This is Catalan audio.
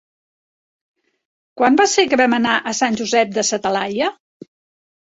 Quan va ser que vam anar a Sant Josep de sa Talaia?